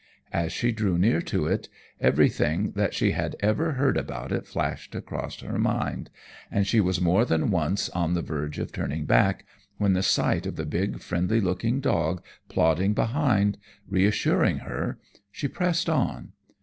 As she drew near to it, everything that she had ever heard about it flashed across her mind, and she was more than once on the verge of turning back, when the sight of the big, friendly looking dog plodding behind, reassuring her, she pressed on.